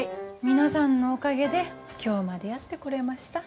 皆さんのおかげで今日までやってこれました。